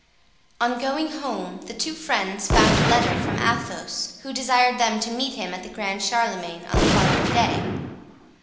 On going home, the two friends found a letter from Athos, who desired them to meet him at the Grand Charlemagne on the following day.